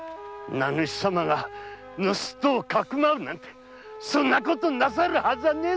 名主様が盗人をかくまうなんてそんなことなさるはずねえだ！